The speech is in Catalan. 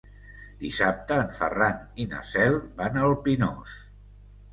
Dissabte en Ferran i na Cel van al Pinós.